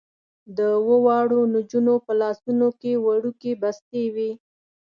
د اوو واړو نجونو په لاسونو کې وړوکې بستې وې.